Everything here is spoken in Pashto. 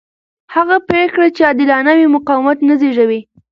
هغه پرېکړې چې عادلانه وي مقاومت نه زېږوي